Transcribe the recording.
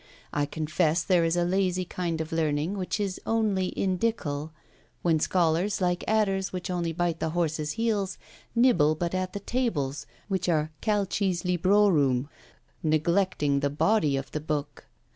I confess there is a lazy kind of learning which is only Indical; when scholars (like adders which only bite the horse's heels) nibble but at the tables, which are calces librorum, neglecting the body of the book.